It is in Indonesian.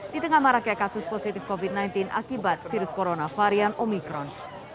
di tengah maraknya kasus positif covid sembilan belas akibat virus corona varian omikron